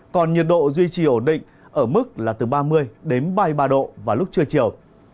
còn nhiệt độ duy trì ổn định ở mức là từ ba mươi đến ba mươi ba độ vào lúc trưa chiều